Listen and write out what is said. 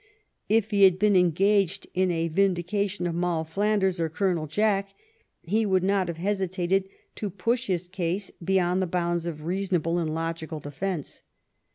If he had been engaged in a vindica tion of Moll Flanders or Colonel Jack, he would not have hesitated to push his case beyond the bounds of reasonable and logical defence.